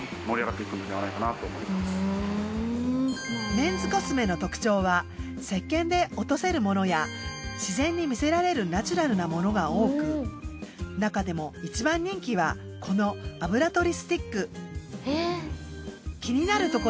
メンズコスメの特徴はせっけんで落とせるものやしぜんに見せられるナチュラルなものが多くなかでも一番人気はこのあぶらとりスティック。